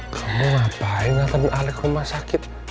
kamu ngapain nganterin alex ke rumah sakit